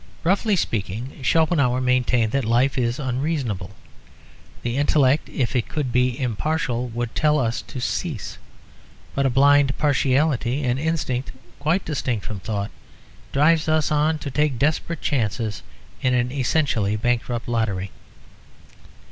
Roughly speaking, Schopenhauer maintained that life is unreasonable. The intellect, if it could be impartial, would tell us to cease; but a blind partiality, an instinct quite distinct from thought, drives us on to take desperate chances in an essentially bankrupt lottery.